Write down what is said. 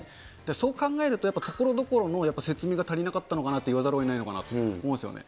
そう考えると、やっぱりところどころの説明が足りなかったのかなと言わざるをえないと思うんですよね。